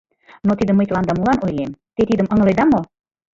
Но тидым мый тыланда молан ойлем, те тидым ыҥыледа мо?